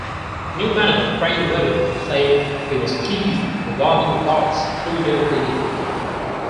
New manager Craig Levein said he was "pleased" regarding Dods' two-year deal.